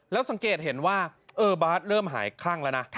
แล้วสังเกตเห็นว่าเออบาร์ดเริ่มหายคลั่งแล้วนะ